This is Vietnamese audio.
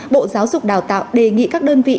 bộ giáo dục đào tạo đề nghị các đơn vị